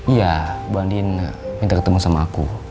iya bu andien minta ketemu sama aku